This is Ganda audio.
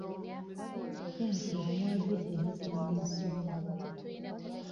Airtel yawagidde emizannyo mu ssomero.